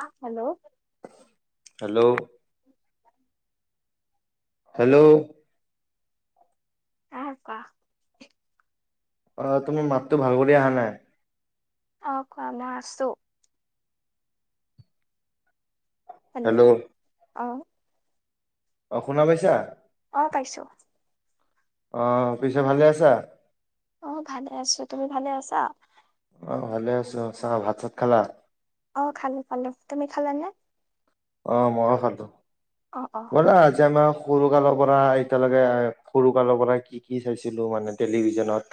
আহ hello hello উ hello আহ কোৱা অ তুমাৰ মাতটো ভাল কৰি অহা নাই অ কোৱা ন আছো হেল্ল' অ অ শুনা পাইছা অ পাইছো আহ পিছে ভালে আছা অ ভালে আছো তুমি ভালে আছা অ ভালে আছো চব ভাত চাত খালা অ খালো খালো তুমি খালাানে অ মই খালো অ অ [unintelligible] ব'লা আজি আমাৰ সৰু কালৰ পৰা এতিয়ালৈকে এ সৰু কালৰ পৰা কি কি চাইছিলো মানে টেলিভিছনত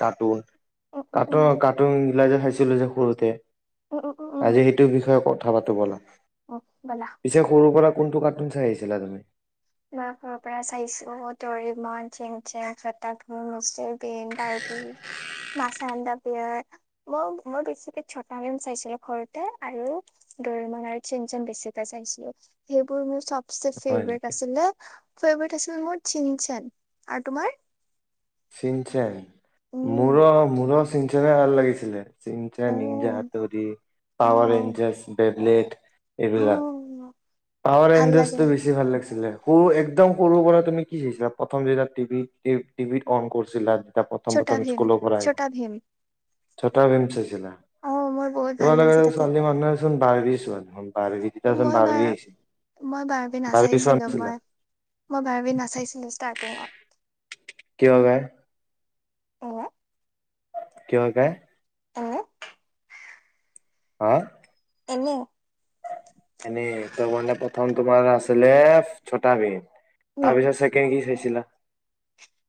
উম উম কাৰ্টুন কাৰ্টুন গিলা জে ছিলো যে সৰুতে উম উম উম উম আজি সেইটো বিষয়ে কথা পাতো বলা উম ব'লা পিছে সৰুৰ পৰা কোনটো কাৰ্টুন চাই আহিছিলা তুমি মই ঘৰৰ পৰা চাইছো দৰিমন চেং চেং চটা ভ মচবন বাৰ্ব মাছ আদা বিয়াৰ মই মই বেছিকে ছটা ভেম চাইছিলো ঘৰতে আৰু দৰিমন আৰু চেনচন বেছিকে চাইছিলো সেইবোৰ মোৰ চব [unintelligible] হয় নেকি ফেভাৰিট আছিল মোৰ চিন চেন আৰু তোমাৰ চিঞ্চন [unintelligible] মোৰ উম, মোৰ চিনে [unintelligible] ভাল লাগিছিলে চিম নিঞজ অ', আটুৰি পাৱাৰ অ', ৰেঞ্জ বেবলেট [unintelligible] এইবিলাক অ', পাৱাৰ ভাল লাগে এঞজছটো বেছি ভাল লাগিছিলে সৰু একদম সৰু পৰা তুমি কি চাইছা প্ৰথম যেতিয়া টিভি টিভিত কণ কৰিছিলা এতিয়া প্ৰথম ছোটা প্ৰথম ভীম, স্কুল পৰা ছোটা ভীম ছটা ভীম অ', মোৰ বহুত ভাল তোমাল লগ লাগিছে তাতে ছোৱালি মহ বাৰ [unintelligible] [unintelligible] মই বাৰ মই বাৰবি বাৰ্বি চোৱা নাচাৰিছিলো নাছিলা মই মই বাৰবি নাচাইছিলোঁ ষ্টাৰ্টিঙত। কি হ গায় [unintelligible] আহ ক [unintelligible] উনে [unintelligible] হা এনে এনেই ত মানে প্ৰথম তোমাৰ আছিলে ছটা ভীম উম, তাৰ পিছত চ কেক চাইছিলা?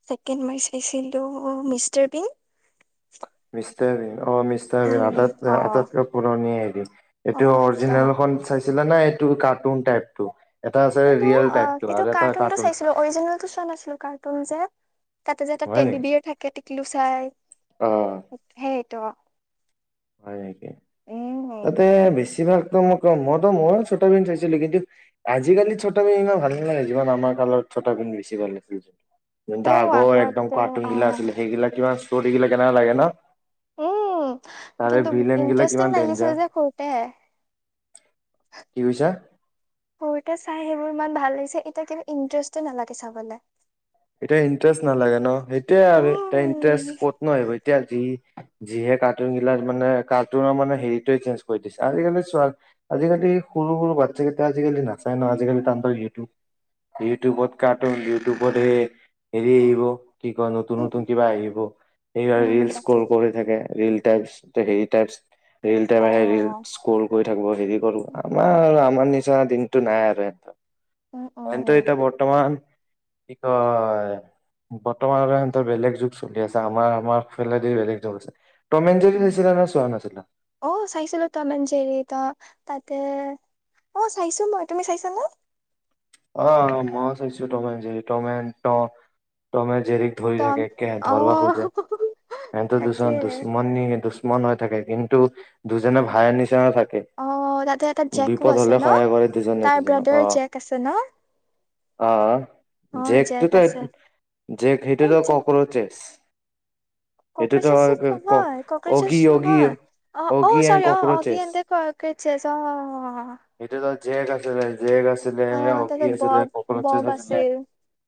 ছেকেণ্ড বাৰ চাইছিলো মিষ্টাৰ বিন। [unintelligible] অ মিষ্টাৰ উম, অ', আটাইতকৈ পুৰণি হেৰি এইটো অ', একদম অৰিজিনেল খন চাই ছিলে ন এই কাৰ্টুনটাইপ টো? এইটো অ এইটো কাৰ্টুনটো চাইছিলো অৰিজিনেলটো চোৱা নাছিলো কাৰ্টুন যে তাতে যে এটা হয় টেডী নেকি বিয়েৰ থাকে। দিলো চাই অ দ পাৰে। তাতে বেছি বছিভাগ মই ক মইো মইো ছটা ভীম চাইছিলো, কিন্তু আজিকালি ছটা ভীম ইমান ভাল নালাগে যিমান আমাৰ কালত ছটা পিন্ধ বেছি ভাল। লাগিছিলন্ত অ', ডাগৰ একদম আগতে কাৰ্টুন গিলা অ', আছিলে সেইগিলা কিবা আছিল চট কিল কেনোলাগে ন [unintelligible] উম তাৰে কিন্তু ভিলেন গিলা কিমান ইণ্টাৰেষ্টিং লাগিছে ডেঞ্জাৰ যে সুৰতে কি কৈছা সৰুতে চাই সেইবোৰ। ইমান ভাল লাগিছে এতিয়া কিন্ত ইণ্টাৰেষ্ট নালাগে চাবলৈ। এতিয়া ইণ্টাৰেষ্ট নালাগে ন সেইটোয়ে আৰ এতিয়া ইণ্টাৰেষ্ট উম, ক'ত ন আহিব এতিয়া যি যিহে কাৰ্টুন গিলাক মানে কাৰ্টুনৰ মানে হেৰিতোৱে চেঞ্জ কৰি দিছে আজিকালি চোৱ আজিকালি সৰু সৰু বাচ্ছা কেইটা আজিকালি নাচাই ন আজিকালি ইউটিউব ইউটিউবত কাৰ্টুন ইউটিউবত এ এৰি আহিব কি কয় নতুন নতুন উম কিবা আহিব এইবাৰ উম উম ৰিলচ তাকে। ইক্সকৰি থাকে ৰিল টাইল টিযেতাৰ ৰিল টাইম আহে ৰিল অ'। ইস্কল কৰি থাকো হেৰি কৰো আমাৰ আমাৰ নিচিনা দিনটো নাই আৰু উম, হয়টো উম, এতিয়া বৰ্তমান এ [unintelligible] হয় বৰ্তমান সিহঁতৰ বেলেগ যুগ চলি আছে আমাৰ আমাৰ ফালেদি বেলেগ যুগ আছে টম এণ্ড জেৰি চাইছিলা নে চোৱা নাছিলা অ চাইছিলো তমেনান যেৰি ত তাতে অ চাইছো মই তুমি চাইছো নে অ মই চাইছো টমেজেৰিটমে টমে জেৰিক ধৰি টম থাকে ধৰব অ' খোজে সেতে তাকে। দুজন দুচমানি মন হৈ থাকে কিন্তু দুজনে ভাইৰ নিচিনা থাকে অ তাতে এটা জেকো বিপদ আছে হলে ন সহায় কৰে তাৰ ব্ৰডাৰ জেক আছে ন অহ অ' জেক জেকটোতো আছে। জেক এ সেইটোতো জে কোকোৰছ কক্ৰচেছ নহয় অগি কক্ৰচেছ অগি নহয় অ অ অগি এণ্ড চৰি অ অগি কক্ৰচেছ এ কক্ৰেচেছ অ সেইটো তাত জেক আছিলে যে জেগ আছিলে অ তাৰপিছত বব অ ককৰেচ বব আছিলে আছিল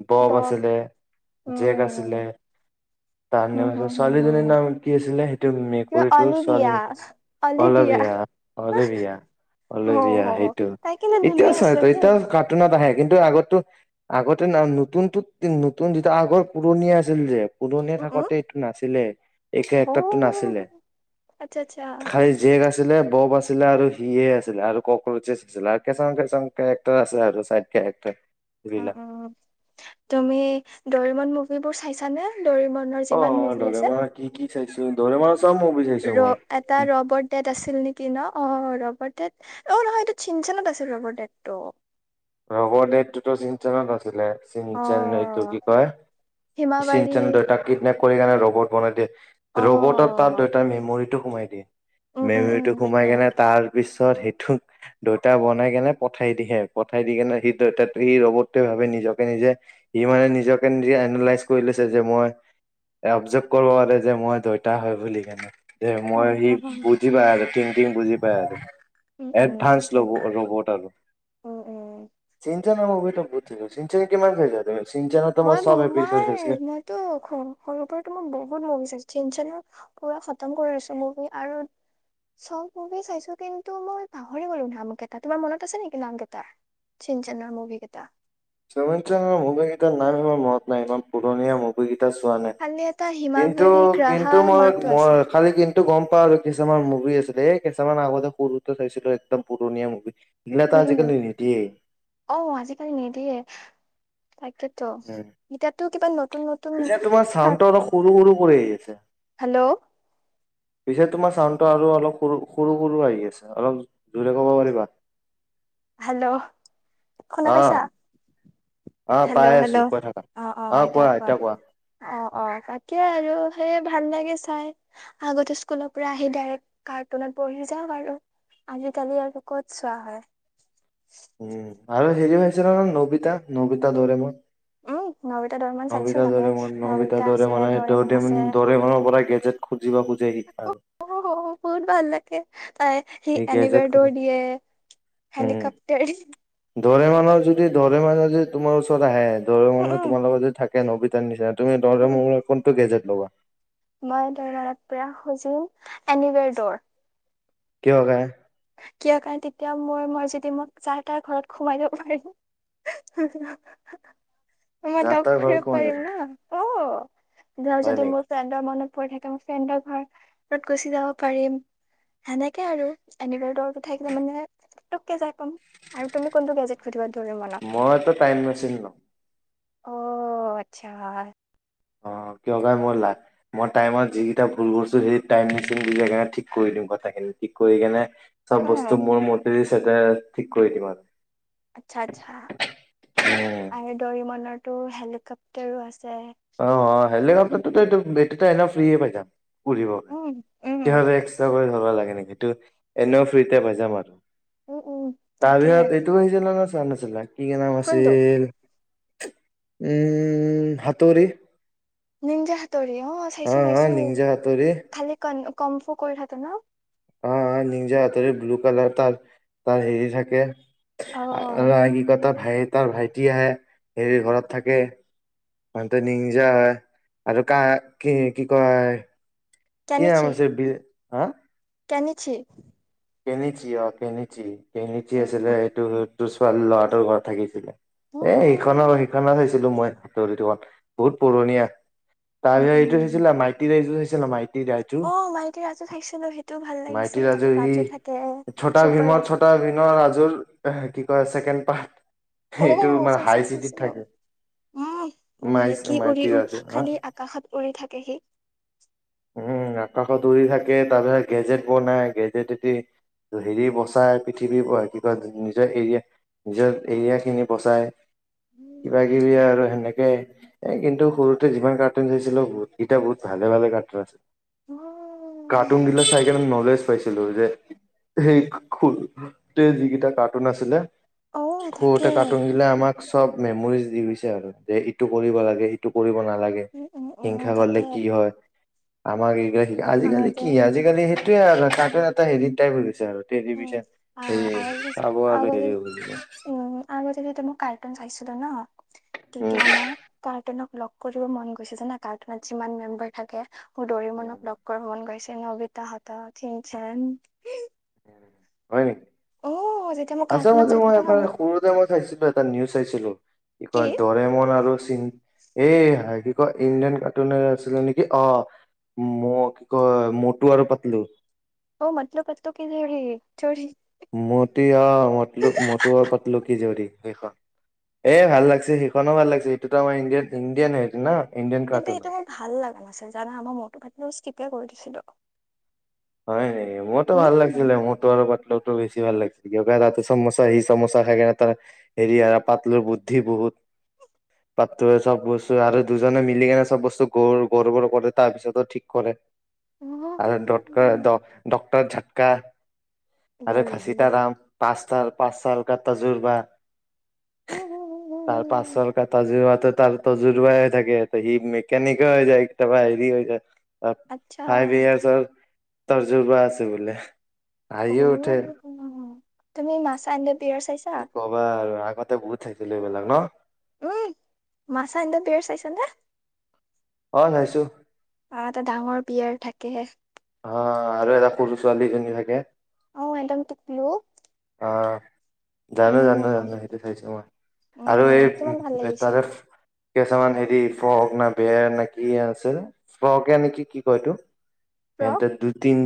দগ বব জেক আছিলে উম তাৰ ন হম আছিল হম হম হম ছোৱালীজনীৰ নাম কি আছিল আছিলে সেই এইটো কিবা মেকুৰীটো ছোৱালী অলিভিয়া মেকুৰী অলিভিয়া অলবিয়া অল বিয়া অ অলবিয়া সেইটো তাই কেলে এতিয়া ধুনীয়া চাই আছিল তই দেই এতিয়া ক নতুন আহে কিন্তু আগতটো আগতে নতুনত নতুন যিটো আগৰ পুৰণি আছিল যে পুৰণি উম উম থাকোঁতে এইটো নাছিলে ই। অ কেৰেটা নাছিলে আচ্ছা আচ্ছা খালি জেক আছিলে আছিলে বব আছিলে আৰু সিয়ে আছিলে আৰু কক্ৰচে চছিলে আৰু কেচামমান কেচামমান কেৰেক্টাৰ আছে আৰু তাকে একটা উ উ তুমি দৰিমন মুভিবোৰ চাইছ চানে দৰিমনৰ যিমান মুভি আছে দেচি। দৰেমন ৰ এটা ৰবট ডেট আছিল নেকি ন অ ৰবট অ নহয় এইটো চিচেনত আছিল ৰৰডটটো [unintelligible] ৰবৰডটোতো চিন্তত আছিলে [unintelligible] অ চিচেন এইটো কি কয় হিমাবাৰী চিঞ্চেন দেউতাক কিডনেপ কৰি কাৰণে ৰ'বট বনাই দিয়ে অ [unintelligible] ৰবটত তাত দেউতাৰ মেমৰিটো সোমাই দিয়ে উম উম উম মেমুটো তাকে সোমাই কেনে তাৰ পিছত পিছত সেইটোক দইতা বনাই কেনে পঠাই দিহে পঠাই দি কেনে সি সি ৰবে ভি নিজকে নিজে সি মানে নিজকে নিজে এনালাইজ কৰি লৈছে যে মই অবজাৰ্ভ কৰিব পাৰে যে মই দইতা হয় বুলি কেনে [unintelligible] দে অ মই সি অ বুজি পা ম বুজি পায় আৰু উম উম এডভানস তাকে ৰবট আৰু [unintelligible] উম উম বু য চিমান য [unintelligible] মই ব মাৰ মইতো সৰুৰ পৰাতো মই বহুত বহুত [unintelligible] বিচাৰিছো চিঞ্চনৰ পুৰা খতম কৰিছো মুভি আৰু চব মুভি চাইছো কিন্তু মই পাহৰি গলো নামকেইটা তোমাৰ মনত আছে নেকি নাম কেইটাৰ চিঞ্চনৰ মুভি কেইটা [unintelligible] চম চন্দৰ মুভগীতাৰ নাম ইাৰ মনত নাই ইমান পুৰণীয়া মুভগীত [unintelligible] চোৱা নাই খালি এটা কিন্তু হিমাবাৰী গ্ৰাহা কিন্তু মই মনতটো মই আছে খালি কিন্তু গম [unintelligible] কুৱা আৰু কিছুমান মুভি আছিলে এ কেইটামান আগতে সৰুতে চাইছিলোঁ একদম পুৰণীয়া মুভি। [unintelligible] এই তো উম উম আজিকালি নিটিয়েই [unintelligible] তাক তাকেতো এতিয়াতো কিবা নতুন নতুন ক কৰিছে হেল্ল' পিছে তোমাৰ চাউণ্ডটো আৰু অল সৰু সৰু আহি আছে অলপ জোৰে ক'ব পাৰিবা হেল্ল' শুনা পাইছা অ', অ', পাই হেল্ল' হেল্ল' আছো কৈ থাকা। অ অ এ কোৱা অ অ তাকে আৰু [unintelligible] সেইে ভাল লাগে চাই আগতে স্কুলৰ পৰা আহি ডাইৰেক্ কাৰ্টুনত পঢ়ি যাওক আৰু আজিকালি আৰু ক'ত চোৱা হয় [unintelligible] উম আৰু হেৰিও হৈছিল ন নবিতা নবিতা দৰেমই উম নবিতা দৰেমন [unintelligible] চাইছো নবিটা তাতে দৰে ম নবিটা নবিতা দৰে আছে মানে দৰেমন আছে দৰে মৰ পৰা গেজেট খুজিব খুজ আহ আৰু [unintelligible] ত সি এই গেজেট খোজে এনিৱেডৰ দিয়ে হেলিকপ্টাৰ ধৰে মানুহ যদি দৰে মানুহ যদি তোমাৰ ওচৰত আহে [unintelligible] দৰীমন উম মানুহ উম তোমালগত যদি থাকে নবী [unintelligible] নিশা [unintelligible] তুমি উম দৰিমনৰ কোনটো গেজে [unintelligible] [inaudible] মই দৰত প্ৰয়াস হৈজো এনিৱেৰ দৌৰ কিয় বা কাৰণ তেতিয়া মোৰ মৰজি দি মোক যাৰ তাৰ ঘৰত সোমাই দিব পাৰিম হোম হোম মই যাৰ ত তাৰ ঘৰত ঘূৰিব সোমাই পাৰিম যাবা ন অ অ যাওঁ হয় যদি নেকি মোৰ ফ্ৰেণ্ডৰ মনত নম্বৰ থাকে মই ফ্ৰেনডৰ ঘৰ ঘৰত গুচি যাব পাৰিম সেনেকে আৰু এনিবাৰ টো থাকিলে মানে তোক কে যাই পাম আৰু তুমি কোনটো গেজেট খুজিবা মইটো টাইম মেচিন লম অ আচ্ছা অ কিয় কাৰণে মই লা মই টাইমত যিকেইটা ভুল কৰিছোঁ সেই টাইম মেচিন দি ধুনীয়াকে ঠিক কৰি দিম কথাখিনি। ঠিক কৰি কিনে চব উম বস্তু মোৰ মতে ঠিক কৰি দিম আৰু আচ্ছা আচ্ছা আৰু দৰিমনৰ টো হেলিকপ্তাৰো আছে যে হেলিকপ্টাৰতো টো এইটো এইটো তো এনেও ফ্ৰি যে পাই যাম উৰিব উম উম তেতিয়া হ'লে এক্সটা ক ল'ব লাগে নেকি তোৰ? এনেও ফ্ৰীতে পাই যাম আৰু উম উম তাৰ তাকে ভিতৰত এইটো আহিছিলে ন জানিছিলে। কি কি নাম কোনটো আছিল উম হাত তুৰি নিনজা হাত তৰি অ চাইছোঁ অ চাইছোঁ নিঞ্জা হাতৰি খালি ক কম ফু কৰি থাকে ন অ অ নিনজা হাতৰি ব্লু কালাৰ তাৰ তাৰ হেৰি থাকে অ আ আ কি কয় তাত ভাই তাৰ ভাইটি আহে সেই ঘৰত থাকে সিহঁতে নিনজা হয় আৰু কা কি কি কয় কি নাম আছিল বি হা টানিছি কেনিছি অ কেনেছি। কেনিছি উম উম আছিলে সেইটোত তোৰ ছোৱালী ল'ৰাটোৰ ঘৰত থাকিছিলে। উম এ সিখনৰ সিখনে চাইছিলো মই ডৰিমন বহুত পুৰণিয়ে আছিলে। উম তাৰপাছত এইটো উম চাইছিলা মাইতি যে এইটো [unintelligible] অ মাইকী ৰাজু চাইছিলোঁ সেইটোও ভাল মাইতী লাগিছিল ৰাইজু তাতে সি ৰাজু থাকে। ছটা চুপাৰ ভীমৰ ৰাজু ছটা ভীম ৰাজুৰ কি কয়। Second part. অ এইটো মানে হাই চাইছো চিটিত চাইছো থাকে উম বাপ মাই ৰে কি উৰি মাইতী উ ৰাজু হা খালি আকাশত উৰি থাকে সি। ফুৰি থাকে তাৰ পিছত গেজেট বনাই গেজেট এটি হেৰি বচাই পৃথিৱী কি কয় নিজৰ এৰিয়া নিজৰ এৰিয়া খিনি বচাই কিবা কিবি উম। আৰু সেনেকে এ কিন্তু সৰুতে যিমান কাৰ্টুন চাইছিলো বহুত কেইটা বহুত ভালে ভালে কাৰ্টুন আছিলে। কাৰ্টুন বিলাক চাই কেনে নলেজ কৈছিলোঁ যে সেই খৰুতে যিকেইটা কাৰ্টুন আছিলে। অ তাকে খৰুতে কাৰ্টুন বিলাক আমাক চব মেমৰিজ দি গৈছে আৰু যে ইটো কৰিব লাগে ইটো কৰিব নালাগে উম উম উম হিংসা তাকে কৰিলে কি হয়। আমাৰ এই আজিকালি আগতে কি আজিকালি সে স ত এটা হেৰিত ট [unintelligible] আৰু উম টেলিভিন আহ হে আগতে চাব আৰু হেৰি হব। সৰুতে মোক কাৰ্টুন চাইছিলো ন উম তেতিয়া মই কাৰ্টুনক লগ কৰিব মন গৈছে যে জানা কাৰ্টুনত যিমান মেম্বাৰ থাকে। উম উম। ডৰিমণক লগ কৰিব মন গৈছে। নবিতা হতক চিনচেন, হয় নেকি? অ যেতিয়া মই আছে কাৰ্টুনত মে চাই মই থাকো আ ন মোক সৰুতে মই চাইছিলো এটা নিউজ চাইছিলো কি কয় দৰিমন আৰু চি এ হাই কি কয় ইণ্ডিয়ান কাৰ্টুন আছিলে নেকি অ মই কি কয় মতো আৰু পাতলো। অ মতলো পতলো কি যোৰি। মতি অ মত মতো পতলো কি জউৰী সেইখন এই ভাল লাগিছে সিখনো ভাল লাগিছে সেইটোতো আমাৰ ইণ্ডিয়ান ইণ্ডিয়ান সেইটো ন। ইণ্ডিয়ান কিন্তু কাৰ্টুন সেইটো মোৰ ভাল লগা নাছিল জানা মই মতো পতলো স্কিপয়ে কৰি দি ছিলো। হয়, মোৰতো ভাল লাগিছিলে মতো আৰু পাতলো টো বেছি ভাল লাগিছিলে, তাতে চমুচা সি চমোচা খাই কিনে তাৰ হেৰি পাতলোৰ বুদ্ধি বহুত পাতলোয়ে চব বস্তু আৰু দুজনে মিলি কেনে চব বস্তু গ গৰ বৰ কৰে তাৰ পিছতো ঠিক কৰে। আৰু দ উম ডটৰ ঝাটকা আৰু ঘাচিতাাৰাম পাঁচ পাঁচ চাল ক তাজুৰ বা পাচঁ পাচল তজোৱোত তাৰ তজোবাই হৈ থাকে সি মেকনিকে হৈ যায় কেতিয়াবা হেৰি হৈ যায় অ আচ্ছা ফাইভ ইয়াৰছ তৰজোবা আছে বোলে। অ হাঁহিয়ে উঠে তুমি মাছ আদ পিয়ৰ চাইছা কি কবা আৰু আগতে বহুত থাকছিলো এইবিলাক ন! উম মাছা এদ বিৰ চাইছ নে অ ভাইছো। অ এটা ডাঙৰ বিয়াৰ থাকেহে। অ আৰু এটা সৰু ছোৱালীজনী থাকে অ এদম টুকলো অঁ জানো জানো জানো সেইটো চাইছো মই আৰু উম এই কিমান ভাল উ লাগিছিল। তাৰে কেইচামান হেৰি ফ্ৰক না বেৰ নে কি আছে ফ্ৰকে নেকি কি কয়টো? এন্ত ফ্ৰক দুইতিন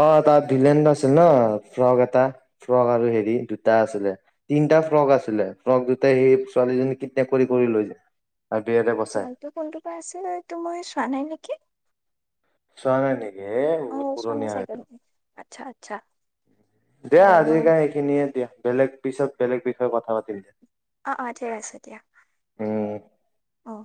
অ তাৰ ভিলন আছিল ন প্ৰগ এটা ফ্ৰক আৰু হেৰি দুটা আছিলে তিনিটা ফ্ৰক আছিলে ফ্ৰক দুটাই সেই ছোৱালীজনী কিডনেপ কৰি কৰি লৈ য জলটো ফোনটোৰ পৰা আছিল তটো মই চোৱা নাই নেকি! চোৱো নাই‌নিকি এ অ বহুত চোৱা নাই পুৰণীয়া চাগে। হয়টো আচ্ছা আচ্ছা দিয় আৰু আজিকাল সেইখিনিয়ে দিয়া বেলেগ পিছত বেলেগ বিষয়ে কথা পাতিম দে। অ অ ঠিক আছে দিয়া। উহ অঁ